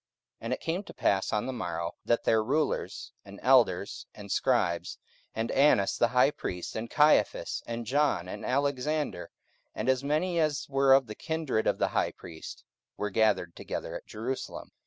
44:004:005 And it came to pass on the morrow, that their rulers, and elders, and scribes, 44:004:006 And Annas the high priest, and Caiaphas, and John, and Alexander, and as many as were of the kindred of the high priest, were gathered together at Jerusalem.